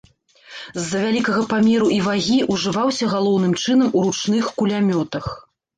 З-за вялікага памеру і вагі, ўжываўся галоўным чынам у ручных кулямётах.